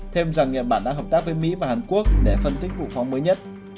thêm rằng nhật bản đã hợp tác với mỹ và hàn quốc để phân tích vụ phóng mới nhất